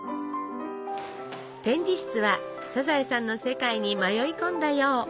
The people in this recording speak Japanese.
展示室は「サザエさん」の世界に迷い込んだよう！